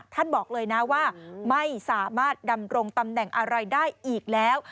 บอกเลยนะว่าไม่สามารถดำรงตำแหน่งอะไรได้อีกแล้ว